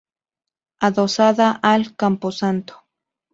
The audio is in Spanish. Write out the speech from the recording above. Adosada al Camposanto.